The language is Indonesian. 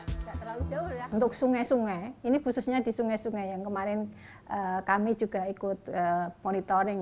untuk sungai sungai ini khususnya di sungai sungai yang kemarin kami juga ikut monitoring ya